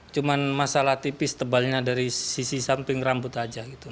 cuma masalah tipis tebalnya dari sisi samping rambut saja